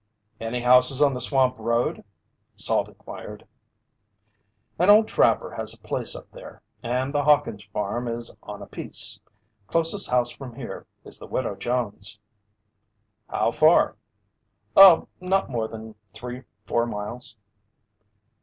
"Any houses on the swamp road?" Salt inquired. "An old trapper has a place up there, and the Hawkins' farm is on a piece. Closest house from here is the Widow Jones'." "How far?" "Oh, not more than three four miles."